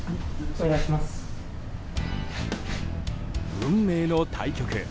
運命の対局。